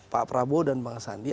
pak prabowo dan bang sandi